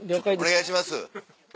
お願いします。